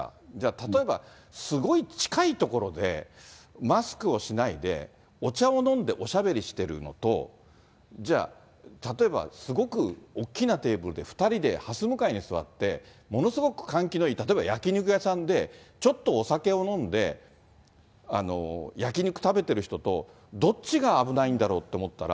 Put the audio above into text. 例えばすごい近い所で、マスクをしないで、お茶を飲んでおしゃべりしてるのと、じゃあ、例えばすごく大きなテーブルで２人ではす向かいに座って、ものすごく換気のいい、例えば焼き肉屋さんでちょっとお酒を飲んで、焼き肉食べてる人と、どっちが危ないんだろうと思ったら、